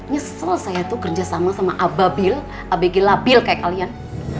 nyesel saya tuh kerja sama sama ababil abagi labil kayak kalian